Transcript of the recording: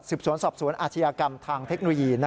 สิบสวนสอบสวนอาชียากรรมทางเทคโนยี